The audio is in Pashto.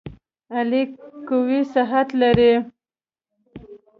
علي قوي صحت لري.